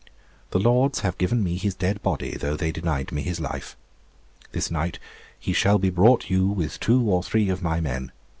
The Lords have given me his dead body, though they denied me his life. This night he shall be brought you with two or three of my men.